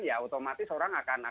ya otomatis orang akan